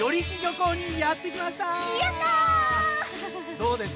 どうです？